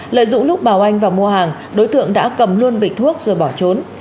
lợi dụng lúc bảo anh vào mua hàng đối tượng đã cầm luôn bịch thuốc rồi bỏ trốn